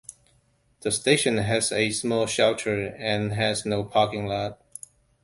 The station has a small shelter and has no parking lot.